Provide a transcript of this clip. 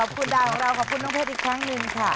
คุณดาวของเราขอบคุณน้องเพชรอีกครั้งหนึ่งค่ะ